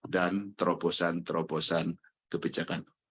dan terobosan terobosan kebijakan